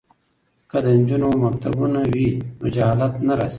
که د نجونو مکتبونه وي نو جهالت نه راځي.